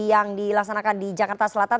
yang dilaksanakan di jakarta selatan